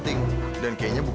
tepat sekali ya pak